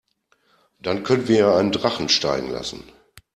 Dann können wir ja einen Drachen steigen lassen.